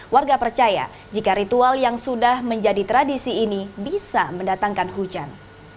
warga percaya jika ritual yang sudah menjadi tradisi ini bisa mendatangkan hujan